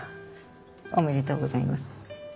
おめでとうございます。